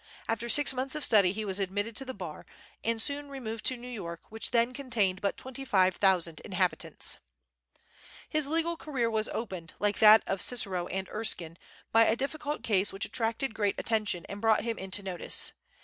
After six months of study he was admitted to the Bar, and soon removed to New York, which then contained but twenty five thousand inhabitants. His legal career was opened, like that of Cicero and Erskine, by a difficult case which attracted great attention and brought him into notice.